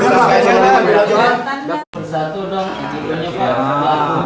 nggak tersatu dong